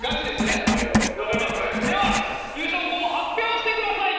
では優勝校を発表してください。